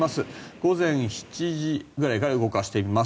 午前７時ぐらいから動かしてみます。